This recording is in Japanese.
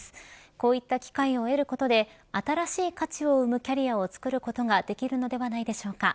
こういった機会を得ることで新しい価値を生むキャリアを作ることができるのではないでしょうか。